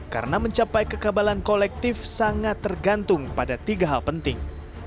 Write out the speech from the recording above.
karena mencapai kekabalan kolektif sangat tergantung pada tiga hal penting